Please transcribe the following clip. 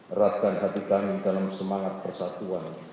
eratkan hati kami dalam semangat persatuan